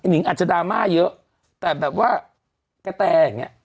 นิงอาจจะดราม่าเยอะแต่แบบว่ากระแตอย่างเงี้